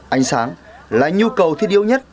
ánh sáng là nhu cầu thiết yếu nhất